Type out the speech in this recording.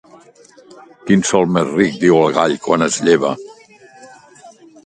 Quin sol més ric!, diu el gall quan es lleva.